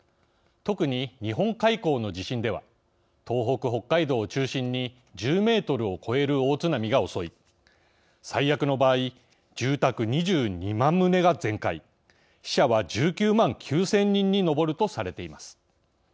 特に日本海溝の地震では東北・北海道を中心に１０メートルを超える大津波が襲い最悪の場合、住宅２２万棟が全壊死者は１９万９０００人に上るとされています。